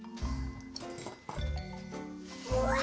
うわ。